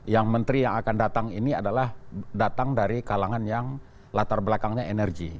yang menteri yang akan datang ini adalah datang dari kalangan yang latar belakangnya energi